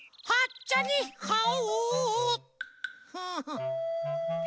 「はちゃにはお」！